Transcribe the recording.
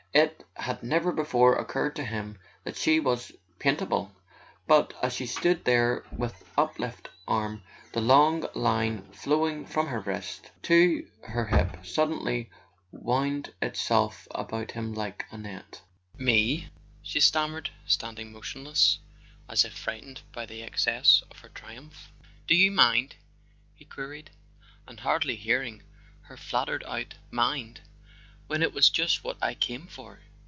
It had never before occurred to him that she was paintable; but as she stood there with uplifted arm the long line flowing from her wrist to her hip suddenly wound itself about him like a net. [ 226 ] A SON AT THE FRONT "Me?" she stammered, standing motionless, as if frightened by the excess of her triumph. "Do you mind?" he queried; and hardly hearing her faltered out: "Mind? When it was what I came for!"